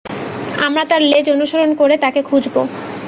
আমরা তার লেজ অনুসরণ করে তাকে খুঁজব।